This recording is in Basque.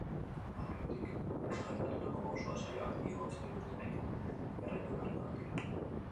Aurretik aipatutako pausoak, saioak igotzen dituztenek jarraitu beharrekoak dira.